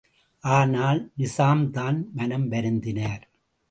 ஆனால் நிசாம்தான் மனம் வருந்தினார்!